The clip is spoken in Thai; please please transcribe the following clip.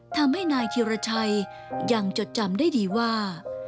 ทำให้นายธิรชัยยังจดจำได้ดีว่า